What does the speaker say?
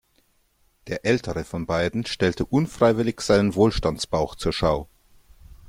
Der ältere von beiden stellte unfreiwillig seinen Wohlstandsbauch zur Schau.